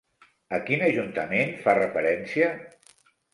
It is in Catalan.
A quin ajuntament fa referència?